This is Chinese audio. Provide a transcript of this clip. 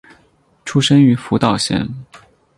出身于福岛县。